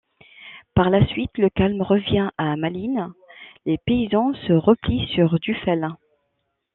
Par la suite le calme revient à Malines, les paysans se replient sur Duffel.